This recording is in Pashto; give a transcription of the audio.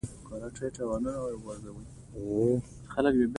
د تیزابونو محلولونه په اوبو کې هایدروجن آیونونه تولیدوي.